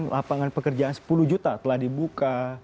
lapangan pekerjaan sepuluh juta telah dibuka